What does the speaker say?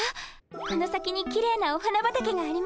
この先にきれいなお花畑があります。